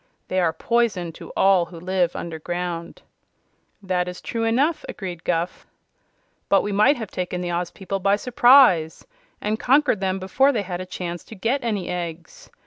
They are poison to all who live underground." "That is true enough," agreed Guph. "But we might have taken the Oz people by surprise, and conquered them before they had a chance to get any eggs.